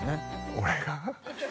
俺が？